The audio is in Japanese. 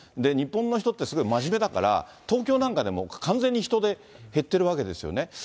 日本の人って、すごい真面目だから、東京なんかでも、完全に人出、減ってるわけですよね。